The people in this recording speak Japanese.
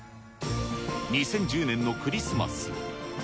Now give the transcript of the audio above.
２０１０年のクリスマス。